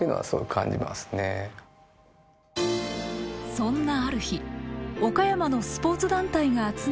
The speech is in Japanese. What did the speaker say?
そんなある日岡山のスポーツ団体が集まる会議に出席。